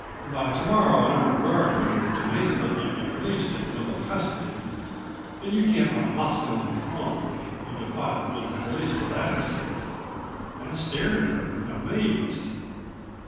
By tomorrow an armed guard would have demanded that you be released in Wendel custody and you can't run a hospital in the Colony if you defy the Wendel police to that extent." I stared at her, amazed.